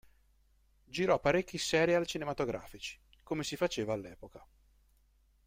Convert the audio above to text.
Girò parecchi serial cinematografici, come si faceva all'epoca.